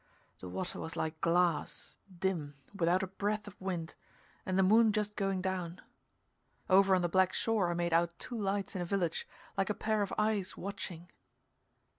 The water was like glass, dim, without a breath of wind, and the moon just going down. Over on the black shore I made out two lights in a village, like a pair of eyes watching.